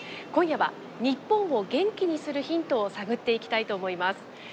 今夜は日本を元気にするヒントを探っていきたいと思います。